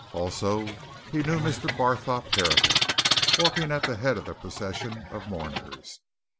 Also, he knew Mr. Barthorpe Herapath, walking at the head of the procession of mourners.